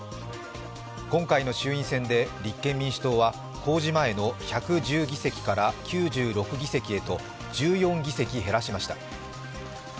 今回の衆院選で立憲民主党は公示前の１１０議席から９６議席へと１４議席減らしました。